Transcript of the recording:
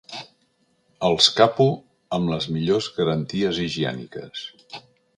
Els capo amb les millors garanties higièniques.